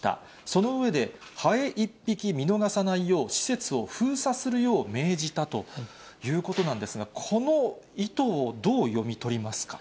その上で、ハエ１匹見逃さないよう、施設を封鎖するよう命じたということなんですが、この意図をどう読み取りますか？